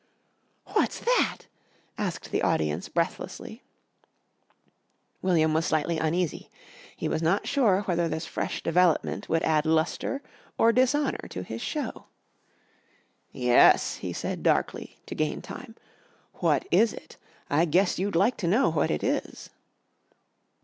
"What's that?" asked the audience breathlessly. William was slightly uneasy. He was not sure whether this fresh development would add lustre or dishonour to his show. "Yes," he said darkly to gain time, "what is it? I guess you'd like to know what it is!"